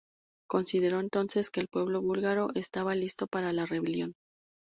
Consideró entonces que el pueblo búlgaro estaba listo para la rebelión.